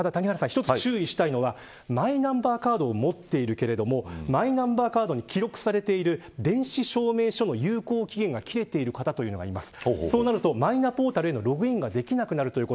１つ注意したいのはマイナンバーカードを持っているけれどもマイナンバーカードに記録されている電子証明書の有効期限が切れている方がいます。